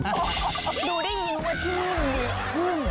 ดูได้ยินว่าที่นี่มีพึ่ง